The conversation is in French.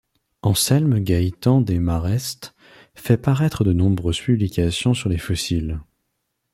Anselme Gaëtan Desmarest fait paraître de nombreuses publications sur les fossiles.